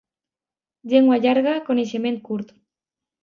Llengua llarga, coneixement curt.